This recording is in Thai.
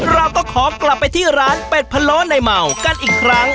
เราก็ขอกลับไปที่ร้านเป็ดพะโล้ในเมากันอีกครั้ง